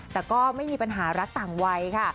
แต่ก็ไม่มีปัญหารักต่างวัยค่ะ